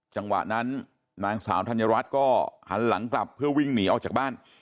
จังหวะนั้นนางสาวธัญรัฐก็หันหลังกลับเพื่อวิ่งหนีออกจากบ้าน